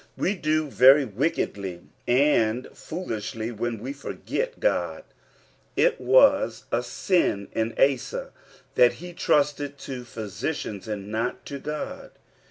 We do very wickedly and foolishly when we forget God. It was a ain in Asa that ho trusted to physicians and not to God.